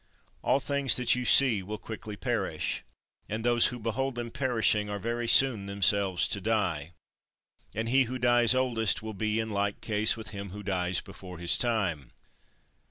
33. All things that you see will quickly perish; and those who behold them perishing are very soon themselves to die. And he who dies oldest will be in like case with him who dies before his time.